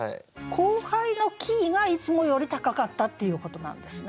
後輩のキーがいつもより高かったっていうことなんですね。